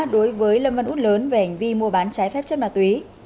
đối với lâm văn út lớn về hành vi mua bán trái phép chất ma túy